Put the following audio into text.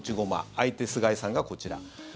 相手、菅井さんがこちら。